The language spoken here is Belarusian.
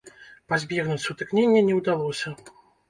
Пазбегнуць сутыкнення не ўдалося.